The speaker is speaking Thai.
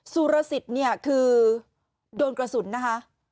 สุรสิทธิ์เนี่ยคือโดนกระสุนนะคะ